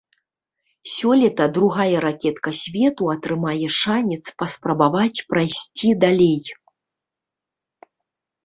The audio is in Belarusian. Сёлета другая ракетка свету атрымае шанец паспрабаваць прайсці далей.